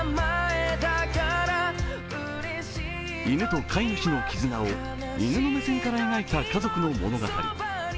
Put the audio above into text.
犬と飼い主の絆を犬の目線から描いた家族の物語。